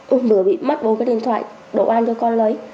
ông bữa bị mất bốn cái điện thoại đồ ăn cho con lấy